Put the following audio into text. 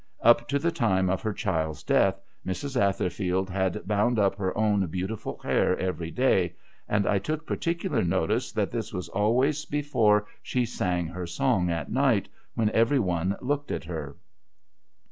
Up to the time of her child's death, Mrs. Atherfield had bound u[) her own beautiful hair every day ; and I took i)articulnr notice that this was always before she sang her song at night, when every one looked at her.